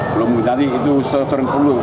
belum nanti itu setor setor yang perlu